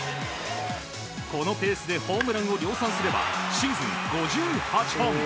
このペースでホームランを量産すればシーズン５８本。